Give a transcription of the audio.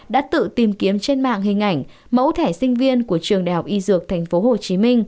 đã tự tìm kiếm trên mạng hình ảnh mẫu thẻ sinh viên của trường đại học y dược tp hcm